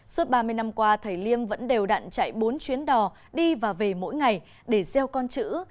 suốt ba mươi năm qua thầy liêm vẫn đều đặn chạy bốn chuyến đò đi và về mỗi ngày để gieo con chữ